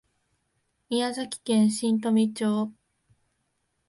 宮崎県新富町